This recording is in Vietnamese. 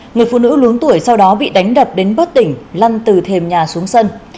người phụ nữ luống tuổi sau đó bị đánh đập đến bớt tỉnh lăn từ thềm nhà xuống sân